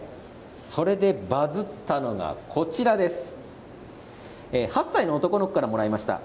それでバズったのが８歳の男の子からもらいました。